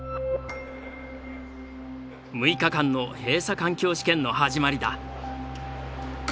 ６日間の閉鎖環境試験の始まりだ。